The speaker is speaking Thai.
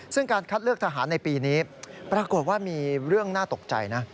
ซึ่งการคัดเลือกทหารในปีนี้ปรากฏว่ามีเรื่องน่าตกใจนะ